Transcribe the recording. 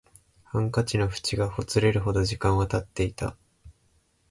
ハンカチの縁がほつれるほど時間は経っていた